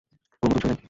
কোনো নতুন ছবি নাই?